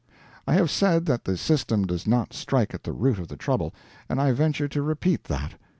I have said that the system does not strike at the root of the trouble, and I venture to repeat that.